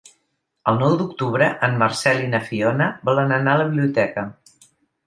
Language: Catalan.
El nou d'octubre en Marcel i na Fiona volen anar a la biblioteca.